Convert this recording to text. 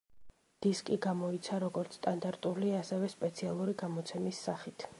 დისკი გამოიცა როგორც სტანდარტული, ასევე სპეციალური გამოცემის სახით.